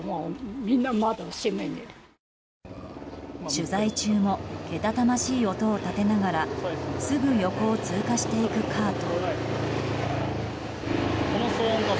取材中もけたたましい音を立てながらすぐ横を通過していくカート。